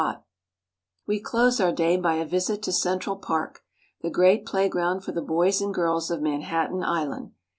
Viev/ m Cent We close our day by a visit to Central Park, the great playground for the boys and girls of Manhattan Island.